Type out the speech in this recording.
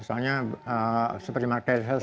soalnya seperti marquesas